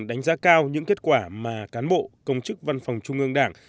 đánh giá cao những kết quả mà cán bộ công chức văn phòng trung ương đảng